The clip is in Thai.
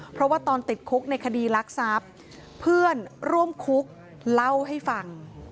เพราะว่าตอนติดคุกในคดีรักทรัพย์เพื่อนร่วมคุกเล่าให้ฟัง